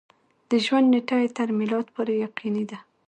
د ژوند نېټه یې تر میلاد پورې یقیني ده.